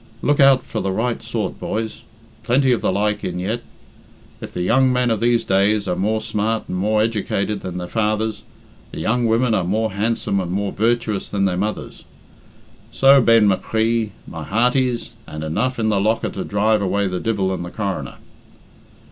"Look out for the right sort, boys. Plenty of the like in yet. If the young men of these days are more smart and more educated than their fathers, the young women are more handsome and more virtuous than their mothers. So ben my chree, my hearties, and enough in the locker to drive away the divil and the coroner."